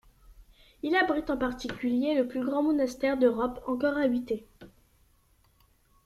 Il abrite en particulier le plus grand monastère d'Europe encore habité.